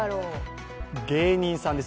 芸人さんです。